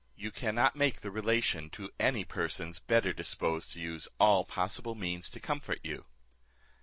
You cannot make the relation to any persons better disposed to use all possible means to comfort you."